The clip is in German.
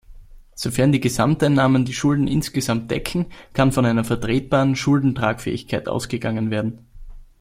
Sofern die Gesamteinnahmen die Schulden insgesamt decken, kann von einer vertretbaren Schuldentragfähigkeit ausgegangen werden.